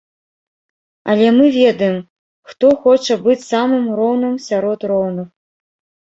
Але мы ведаем, хто хоча быць самым роўным сярод роўных.